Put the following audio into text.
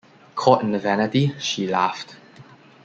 Caught in a vanity, she laughed.